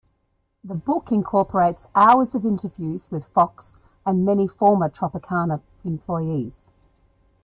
The book incorporates hours of interviews with Fox and many former Tropicana employees.